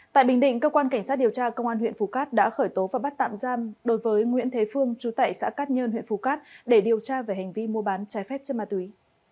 tại bình định cơ quan cảnh sát điều tra công an huyện phú cát đã khởi tố và bắt tạm giam đối với nguyễn thế phương chú tại xã cát nhơn huyện phú cát để điều tra về hành vi mua bán trái phép chất ma túy